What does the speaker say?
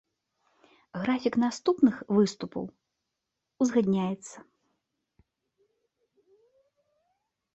Графік наступных выступаў узгадняецца.